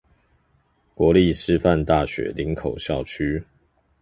國立師範大學林口校區